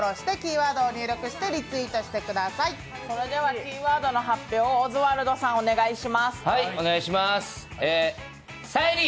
キーワードの発表をオズワルドさんお願いします。